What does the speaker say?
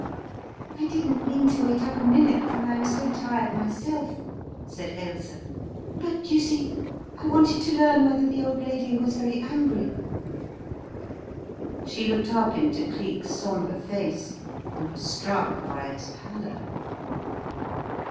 "I didn't mean to wait up a minute, for I am so tired myself," said Ailsa, "but you see, I wanted to learn whether the old lady was very angry." She looked up into Cleek's sombre face, and was struck by its pallor.